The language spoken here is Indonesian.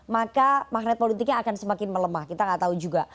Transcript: maka magnet politiknya akan semakin melemah kita nggak tahu juga